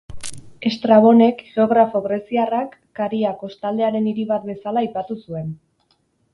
Estrabonek, geografo greziarrak, Karia kostaldearen hiri bat bezala aipatu zuen.